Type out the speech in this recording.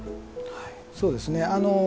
そうですね。